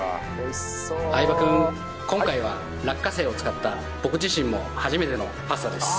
相葉君今回は落花生を使った僕自身も初めてのパスタです。